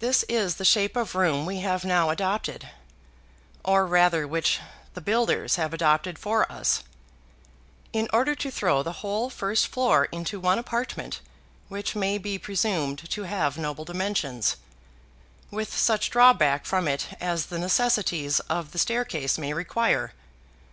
This is the shape of room we have now adopted, or rather which the builders have adopted for us, in order to throw the whole first floor into one apartment which may be presumed to have noble dimensions, with such drawback from it as the necessities of the staircase may require.